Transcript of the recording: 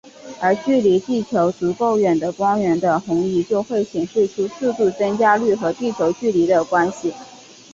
而距离地球足够远的光源的红移就会显示出速度增加率和地球距离的关系。